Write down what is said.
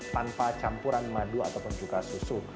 tanpa campuran madu ataupun juga susu